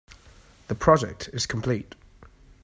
The project is complete.